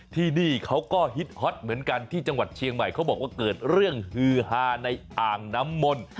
ที่นี่เขาก็ฮิตฮอตเหมือนกันที่จังหวัดเชียงใหม่เขาบอกว่าเกิดเรื่องฮือฮาในอ่างน้ำมนต์